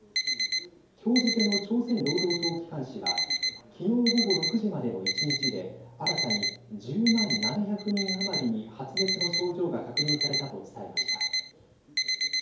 きょう付けの朝鮮労働党機関紙はきのう、午後６時までの１日で新たに、１０万７００人余りに発熱の症状が確認されたと伝えました。